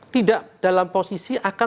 tidak dalam posisi akan